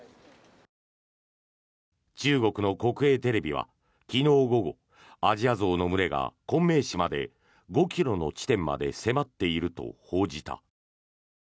中国の国営テレビは昨日午後、アジアゾウの群れが昆明市まで５ｋｍの地点まで迫っていると報じた。